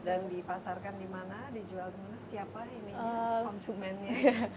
dan dipasarkan di mana dijual di mana siapa ini konsumennya